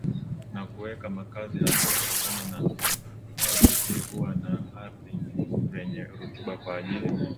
na kuweka makazi haswa kutokana ardhi hii kuwa na ardhi yenye rutuba kwa ajili